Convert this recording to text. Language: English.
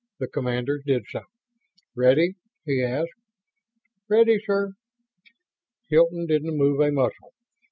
The commanders did so. "Ready?" he asked. "Ready, sir." Hilton didn't move a muscle.